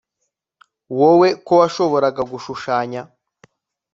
Wowe ko washoboraga gushushanya